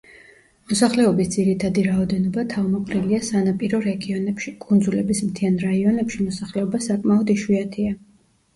მოსახლეობის ძირითადი რაოდენობა თავმოყრილია სანაპირო რეგიონებში, კუნძულების მთიან რაიონებში მოსახლეობა საკმაოდ იშვიათია.